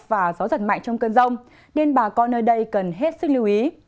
và gió giật mạnh trong cơn rong nên bà con ở đây cần hết sức lưu ý